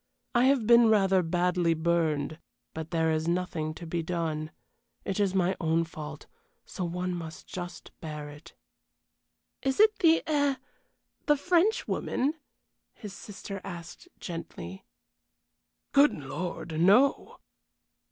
"I have been rather badly burned, but there is nothing to be done. It is my own fault so one must just bear it." "Is it the eh the Frenchwoman?" his sister asked, gently. "Good Lord, no!"